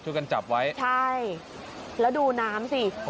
กันจับไว้ใช่แล้วดูน้ำสิ